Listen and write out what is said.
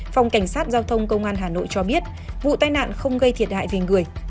phòng cảnh sát giao thông công an hà nội cho biết vụ tai nạn không gây thiệt hại về người